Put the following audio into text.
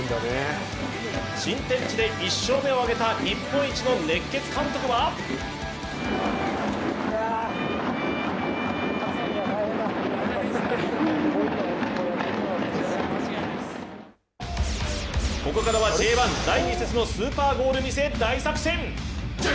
新天地で１勝目を挙げた日本一の熱血監督はここからはＪ１第２節のスーパーゴール見せ大作戦！